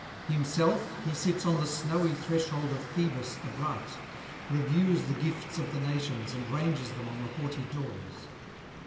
Himself he sits on the snowy threshold of Phoebus the bright, reviews the gifts of the nations and ranges them on the haughty doors.